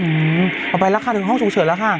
อืมประมาณราคาถึงห้องสูงเฉินแล้วค่ะ